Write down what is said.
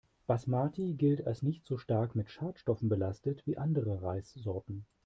Basmati gilt als nicht so stark mit Schadstoffen belastet wie andere Reissorten.